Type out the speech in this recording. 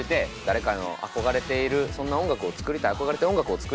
誰かの憧れているそんな音楽を作りたい憧れている音楽を作りたい。